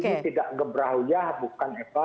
ini tidak gebrahuyah bukan eva